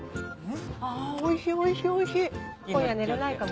あおいしいおいしいおいしい！